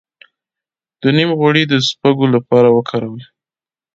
د نیم غوړي د سپږو لپاره وکاروئ